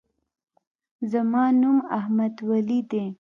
زما نوم احمدولي دی.